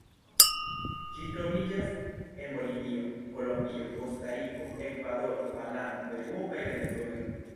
Ĝi troviĝas en Bolivio, Kolombio, Kostariko, Ekvadoro, Panamo, Peruo kaj Venezuelo.